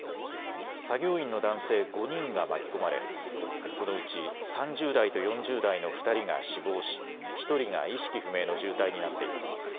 作業員の男性５人が巻き込まれこのうち３０代と４０代の２人が死亡し、１人が意識不明の重体になっています。